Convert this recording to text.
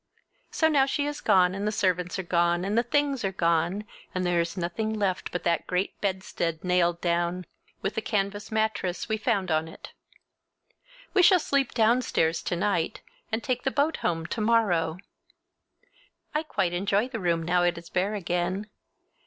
So now she is gone, and the servants are gone, and the things are gone, and there is nothing left but that great bedstead nailed down, with the canvas mattress we found on it. We shall sleep downstairs to night, and take the boat home to morrow. I quite enjoy the room, now it is bare again.